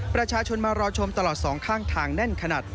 ประชาชนมารอชมตลอดสองข้างทางแน่นขนาด